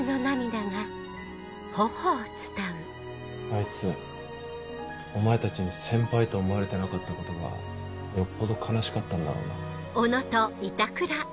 あいつお前たちに先輩と思われてなかったことがよっぽど悲しかったんだろうな。